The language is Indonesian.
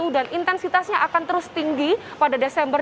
dan intensitasnya akan terus tinggi pada desember